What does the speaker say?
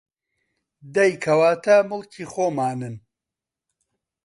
دەی کەواتە موڵکی خۆمانن